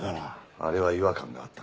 あれは違和感があったな。